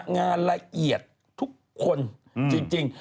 รายละเอียดทุกคนจริง